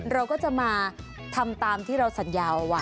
เราก็จะมาทำตามที่เราสัญญาเอาไว้